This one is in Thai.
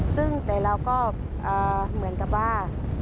ซึ่งแต่เราก็เหมือนกับว่า